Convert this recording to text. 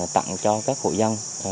tặng cho các hội dân